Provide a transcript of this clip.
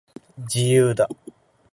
自由だ